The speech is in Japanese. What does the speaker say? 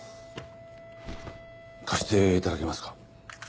貸していただけますか？